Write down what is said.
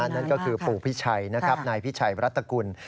นั่นก็คือปู่พิชัยนายพิชัยรัตกุล